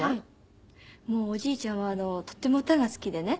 もうおじいちゃんはとても歌が好きでね